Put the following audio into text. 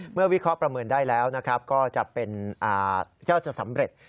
วิเคราะห์ประเมินได้แล้วก็จะเป็นเจ้าจะสำเร็จ